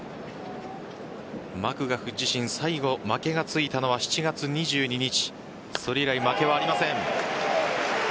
マクガフ自身最後負けがついたのは７月２２日それ以来、負けはありません。